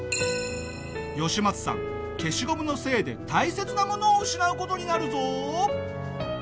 ヨシマツさん消しゴムのせいで大切なものを失う事になるぞ！